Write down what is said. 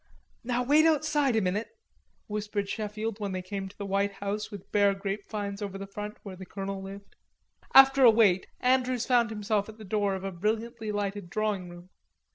"Now wait outside a minute," whispered Sheffield when they came to the white house with bare grapevines over the front, where the colonel lived. After a wait, Andrews found himself at the door of a brilliantly lighted drawing room.